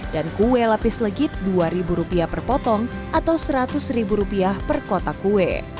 dan kue lapis legit dua ribu rupiah per potong atau seratus ribu rupiah per kotak kue